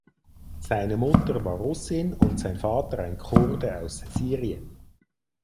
Seine Mutter war Russin und sein Vater ein Kurde aus Syrien.